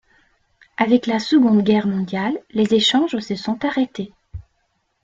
Avec la Seconde Guerre mondiale, les échanges se sont arrêtés.